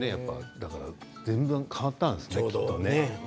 だから、全然変わったんでしょうねきっと。